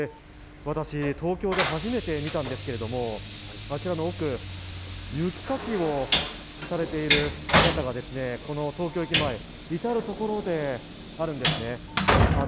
私、東京で初めて見たんですけれども、あちらの奥、雪かきをされている姿がこの東京駅前、至る所であるんですね。